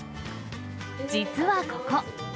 実はここ。